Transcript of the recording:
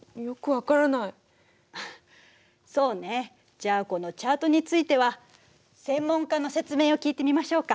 じゃあこのチャートについては専門家の説明を聞いてみましょうか。